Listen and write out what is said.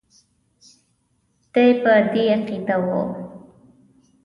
دی په دې عقیده وو.